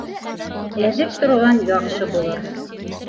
Әҙер торған яҡшы булыр.